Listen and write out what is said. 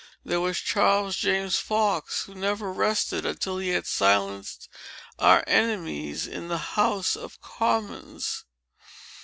There was Charles James Fox, who never rested until he had silenced our enemies in the House of Commons.